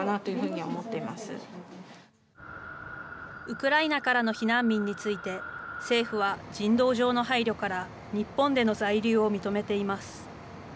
ウクライナからの避難民について、政府は人道上の配慮から、日本での在留を認めています。